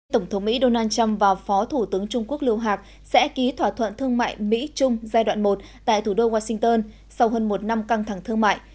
tổng thống mỹ donald trump và phó thủ tướng trung quốc lưu hạc sẽ ký thỏa thuận thương mại mỹ trung giai đoạn một tại thủ đô washington sau hơn một năm căng thẳng thương mại